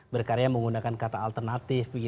berkarya menggunakan kata alternatif